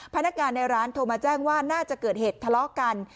พนักงานในร้านโทรมาแจ้งว่าน่าจะเกิดเหตุทะเลาะกัน